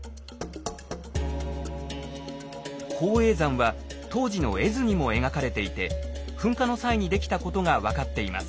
宝永山は当時の絵図にも描かれていて噴火の際にできたことが分かっています。